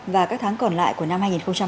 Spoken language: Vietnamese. và các tháng còn lại của năm hai nghìn hai mươi